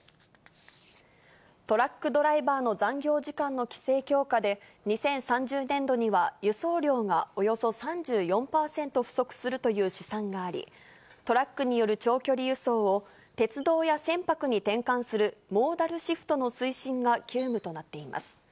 トラックドライバーの残業時間の規制強化で、２０３０年度には輸送量がおよそ３４％不足するという試算があり、トラックによる長距離輸送を鉄道や船舶に転換するモーダルシフトの推進が急務となっています。